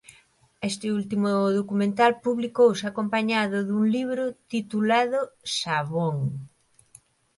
Este último documental publicouse acompañado dun libro titulado "Sabón".